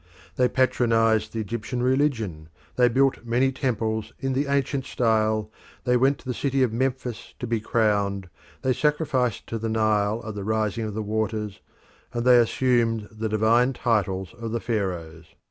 They patronised the Egyptian religion, they built many temples in the ancient style, they went to the city of Memphis to be crowned, they sacrificed to the Nile at the rising of the waters, and they assumed the divine titles of the Pharaohs.